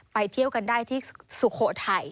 เที่ยวกันได้ที่สุโขทัย